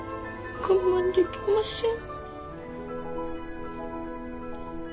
我慢できません。